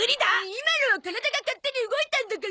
今のは体が勝手に動いたんだから仕方ないゾ！